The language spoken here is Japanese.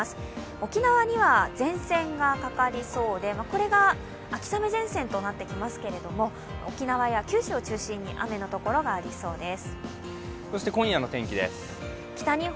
沖縄には前線がかかりそうで、これが秋雨前線となってきますけど沖縄や九州を中心に雨のところがありそうです。